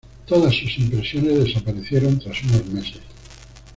Todas sus impresiones desaparecieron tras unos meses.